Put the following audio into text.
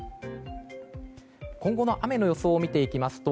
今後の雨の予想を見ていきますと